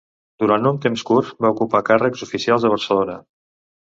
Durant un temps curt va ocupar càrrecs oficials a Barcelona.